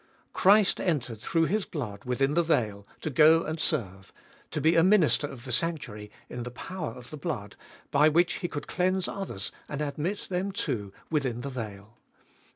Christ entered through His blood within the veil, to go and serve ; to be a minister of the sanctuary in the power of the blood, by which He could cleanse others and admit them too within the veil.